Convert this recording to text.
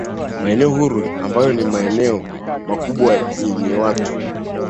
Maeneo huru ambayo ni maeneo makubwa yenye watu